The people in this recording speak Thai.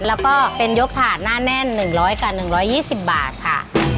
แล้วก็เป็นยกถาดหน้าแน่น๑๐๐กับ๑๒๐บาทค่ะ